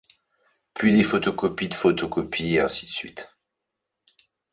Puis des photocopies de photocopies et ainsi de suite.